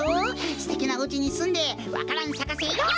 すてきなおうちにすんでわか蘭さかせよ！よ！